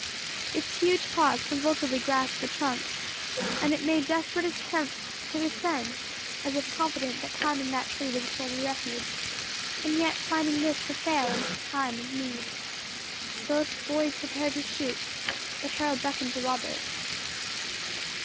Its huge paws convulsively grasped the trunk, and it made desperate efforts to ascend, as if confident that climbing that tree was its only refuge, and yet finding this to fail it in its time of need. Both boys prepared to shoot, but Harold beckoned to Robert.